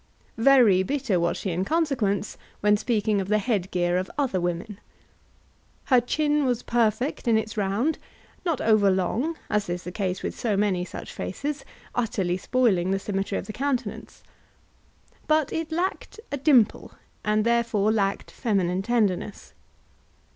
Very bitter was she in consequence when speaking of the head gear of other women. Her chin was perfect in its round, not over long, as is the case with so many such faces, utterly spoiling the symmetry of the countenance. But it lacked a dimple, and therefore lacked feminine tenderness.